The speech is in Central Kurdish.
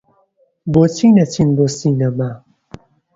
بۆچی نەچین بۆ سینەما؟